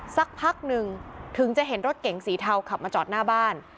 สักพักหนึ่งถึงจะเห็นรถเก๋งสีเทาขับมาจอดหน้าบ้าน